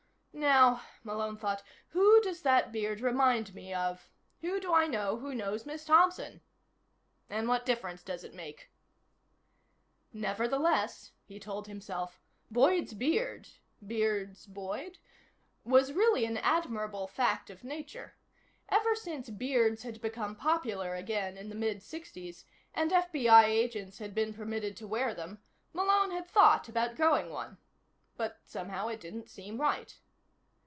Now, Malone thought, who does that beard remind me of? Who do I know who knows Miss Thompson? And what difference does it make? Nevertheless, he told himself, Boyd's beard (Beard's boyd?) was really an admirable fact of nature. Ever since beards had become popular again in the mid sixties, and FBI agents had been permitted to wear them, Malone had thought about growing one. But, somehow, it didn't seem right.